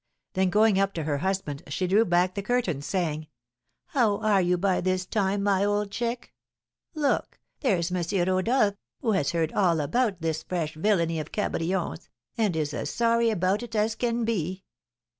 Then going up to her husband, she drew back the curtains, saying, "How are you by this time, my old chick? Look! there's M. Rodolph, who has heard all about this fresh villainy of Cabrion's, and is as sorry about it as can be."